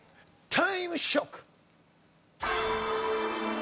タイムショック！